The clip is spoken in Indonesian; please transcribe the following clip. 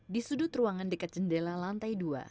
di sudut ruangan dekat jendela lantai dua